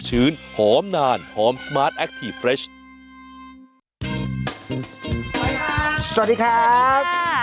สวัสดีครับ